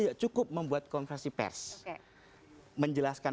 ada apa yang diperlukan